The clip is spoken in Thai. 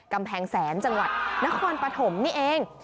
กำแพงแสนจังหวัดนครปฐมนี่เอง